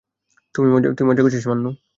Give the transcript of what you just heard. তুই মজা করছিস, মান্নু!